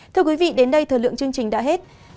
thưa quý vị đến đây thờ lượng chương trình đã kết thúc